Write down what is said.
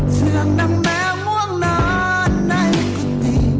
เชื่องนำแมวม่วงนานในกุฏิ